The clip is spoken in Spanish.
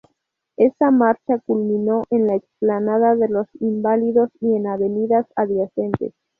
Esta marcha culminó en la explanada de los Inválidos y en avenidas adyacentes.